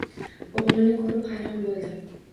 O‘g‘lini ko‘rib hayron bo‘ldi.